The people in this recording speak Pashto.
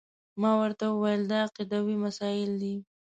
ما ورته وویل دا عقیدوي مسایل دي.